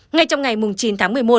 ngay trong ngày chín tháng một mươi một